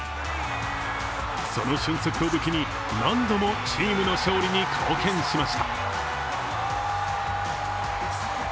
その俊足を武器に、何度もチームの勝利に貢献しました。